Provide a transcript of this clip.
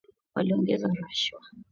Waliongeza warsha